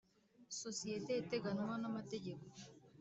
sosiyete iteganwa n amategeko